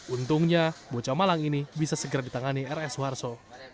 untungnya bocah malang ini bisa segera ditangani rs suharto